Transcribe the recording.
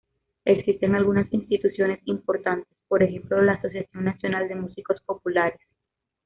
Existen algunas instituciones importantes, por ejemplo la Asociación Nacional de Músicos Populares.